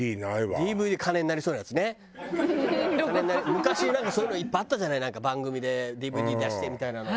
昔なんかそういうのいっぱいあったじゃない番組でＤＶＤ出してみたいなの。